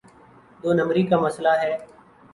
دو نمبری کا مسئلہ ہے۔